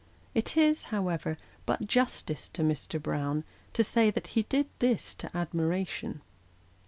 It is, however, but justice to Mr. Brown to say that he did this to admiration.